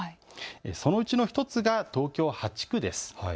そのうちの１つが東京８区です。